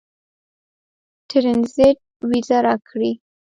ټرنزیټ وېزه راکړي.